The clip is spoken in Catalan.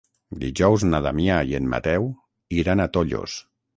Dijous na Damià i en Mateu iran a Tollos.